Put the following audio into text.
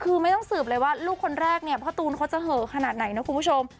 คือไม่ต้องสืบเลยว่าลูกคนแรกเนี่ยพ่อตูนเขาจะเหอะขนาดไหนนะคุณผู้ชม